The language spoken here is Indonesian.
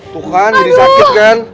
tuh kan jadi sakit kan